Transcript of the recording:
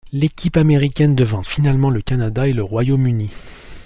L'équipe américaine devance finalement le Canada et le Royaume-Uni.